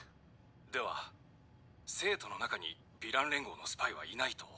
では生徒の中にヴィラン連合のスパイはいないと！